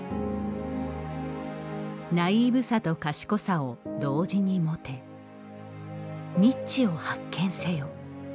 「ナイーブさと賢さを同時に持て」「ニッチを発見せよ」